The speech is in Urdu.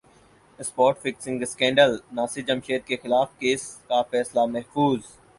اسپاٹ فکسنگ اسکینڈلناصر جمشید کیخلاف کیس کا فیصلہ محفوظ